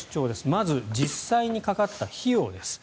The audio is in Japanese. まず実際にかかった費用です。